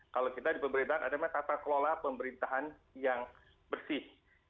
kalau kita di pemerintahan ada tata kelola pemerintahan yang bersih